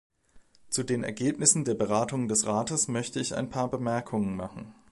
Zu den Ergebnissen der Beratungen des Rates möchte ich ein paar Bemerkungen machen.